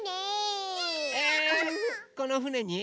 このふねに？